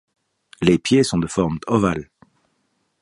Les pieds sont de forme ovale.